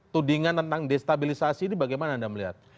tudingan tentang destabilisasi ini bagaimana anda melihat